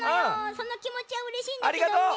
そのきもちはうれしいんだけどね。